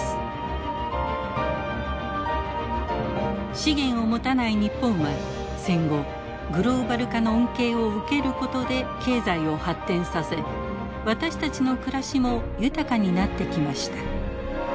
資源を持たない日本は戦後グローバル化の恩恵を受けることで経済を発展させ私たちの暮らしも豊かになってきました。